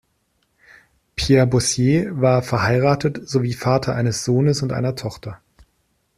Pierre Boissier war verheiratet sowie Vater eines Sohnes und einer Tochter.